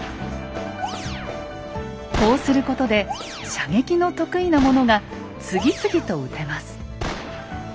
こうすることで射撃の得意な者が次々と撃てます。